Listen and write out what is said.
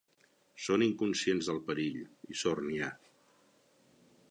Són inconscients del perill, i sort n'hi ha.